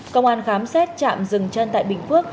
công an khám xét chạm rừng chân tại bình phước